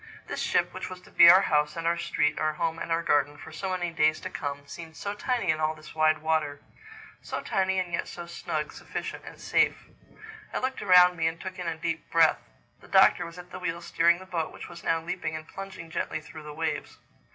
This ship, which was to be our house and our street, our home and our garden, for so many days to come, seemed so tiny in all this wide water—so tiny and yet so snug, sufficient, safe. I looked around me and took in a deep breath. The Doctor was at the wheel steering the boat which was now leaping and plunging gently through the waves.